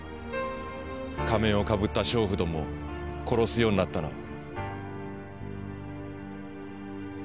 仮面をかぶった娼婦どもを殺すようになったのは。